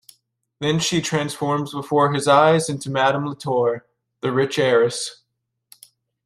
Then she transforms before his eyes into Madame Latour, the rich heiress.